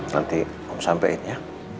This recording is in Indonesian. nanti om sampein ya